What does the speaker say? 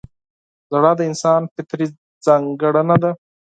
• ژړا د انسان فطري ځانګړنه ده.